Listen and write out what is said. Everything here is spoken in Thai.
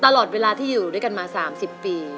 ตลอดเวลาที่อยู่ด้วยกันมา๓๐ปี